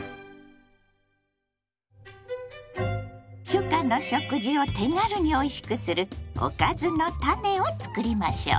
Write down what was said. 初夏の食事を手軽においしくする「おかずのタネ」を作りましょう。